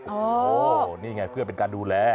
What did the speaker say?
โอ้โหนี่ไงเพื่อเป็นการดูแล